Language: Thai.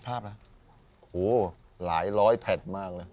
พูดว่าลายร้อยแผ่นมากเลย